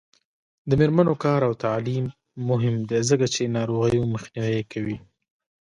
د میرمنو کار او تعلیم مهم دی ځکه چې ناروغیو مخنیوی کوي.